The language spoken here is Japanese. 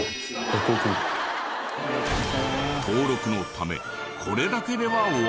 登録のためこれだけでは終わらない。